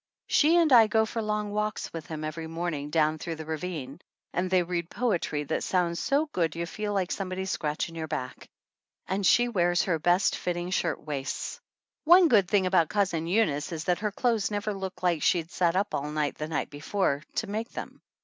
She and I go for long walks with him every morning, down through the ravine; and they\ read poetry that sounds so good you feel like somebody's scratching your back. And she wears her best fitting shirtwaists. One good 20 THE ANNALS OF ANN thing about Cousin Eunice is that her clothes never look like she'd sat up late the night before to make them.